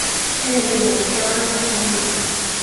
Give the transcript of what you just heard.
telo linja li tawa anpa tan nena